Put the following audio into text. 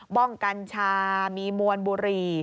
้องกัญชามีมวลบุหรี่